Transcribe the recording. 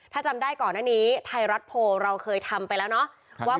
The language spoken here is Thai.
ถ้าจำได้ก่อนหน้านี้ไทยรัฐโพลเราเคยทำไปแล้วเนาะ